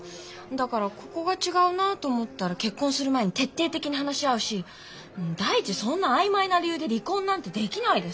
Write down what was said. だからここが違うなと思ったら結婚する前に徹底的に話し合うし第一そんなあいまいな理由で離婚なんてできないです。